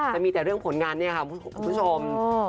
แต่มีแต่เรื่องผลงานเนี่ยค่ะคุณผู้ชม